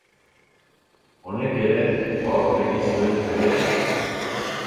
Honek ere, porrot egin zuen berehala.